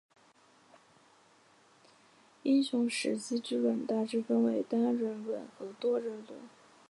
英雄时机之轮大致分为单人轮和多人轮。